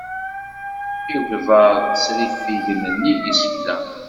Igḍaḍ srifigen nnig isekla